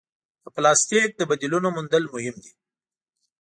د پلاسټیک د بدیلونو موندل مهم دي.